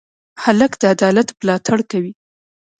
هلک د عدالت ملاتړ کوي.